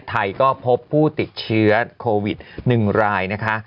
ไทยก็พบผู้ติดเชื้อโควิด๑รายนะคะ